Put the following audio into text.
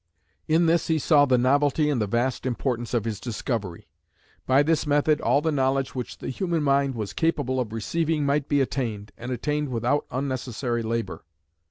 In this he saw the novelty and the vast importance of his discovery. "By this method all the knowledge which the human mind was capable of receiving might be attained, and attained without unnecessary labour."